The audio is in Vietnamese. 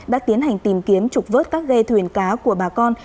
đã tiến hành tìm kiếm trục vớt các ghe thuyền cá của bà con